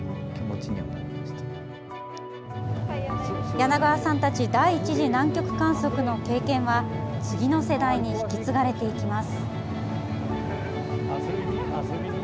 柳川さんたち第１次南極観測の経験は次の世代に引き継がれていきます。